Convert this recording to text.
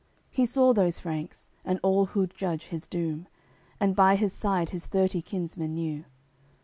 He saw those Franks, and all who'ld judge his doom, And by his side his thirty kinsmen knew.